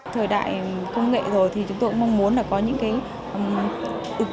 thời đại công nghệ rồi thì chúng tôi cũng mong muốn là có những cái ứng